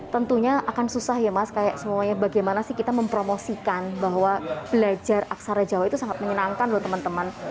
tentunya akan susah ya mas kayak semuanya bagaimana sih kita mempromosikan bahwa belajar aksara jawa itu sangat menyenangkan loh teman teman